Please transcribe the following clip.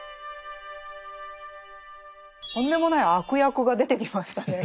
とんでもない悪役が出てきましたね。